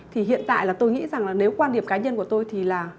thì hiện tại là tôi nghĩ rằng là nếu quan điểm cá nhân của tôi thì là